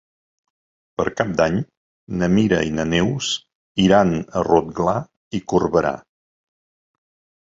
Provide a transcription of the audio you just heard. Per Cap d'Any na Mira i na Neus iran a Rotglà i Corberà.